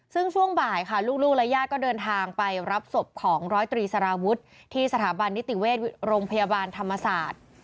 ซึ่งช่วงบ่ายค่ะลูกและญาติก็เดินทางไปรับศพของร้อยตรีสารวุฒิที่สถาบันนิติเวชโรงพยาบาลธรรมศาสตร์